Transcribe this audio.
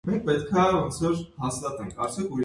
Mating typically occurs on her visits to the nest.